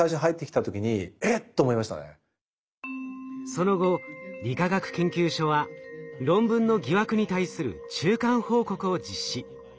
その後理化学研究所は論文の疑惑に対する中間報告を実施。